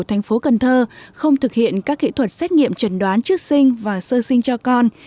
thành phố cần thơ không thực hiện các kỹ thuật xét nghiệm trần đoán trước sinh và sơ sinh cho con